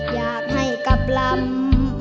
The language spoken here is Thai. อยากให้กลับลำ